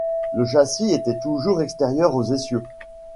Le châssis était toujours extérieur aux essieux.